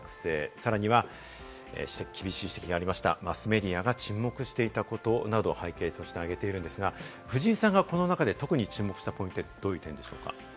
さらには厳しい指摘がありました、マスメディアが沈黙していたことなどを背景として挙げているんですが、藤井さんがこの中で特に注目した点は、どういったところですか？